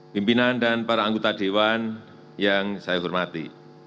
pimpinan dan para anggota dewan yang saya hormati